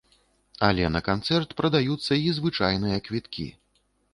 Але на канцэрт прадаюцца і звычайныя квіткі.